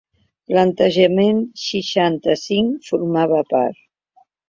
Plantejament seixanta-cinc formava part.